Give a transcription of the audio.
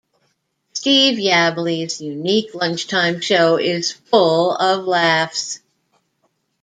Steve Yabsley's unique lunchtime show is full of laughs.